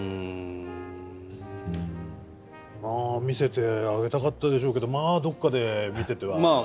見せてあげたかったでしょうけどまあどっかで見てては。